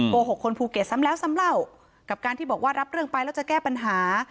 โกหกคนภูเก็ตซ้ำแล้วซ้ำเล่ากับการที่บอกว่ารับเรื่องไปแล้วจะแก้ปัญหา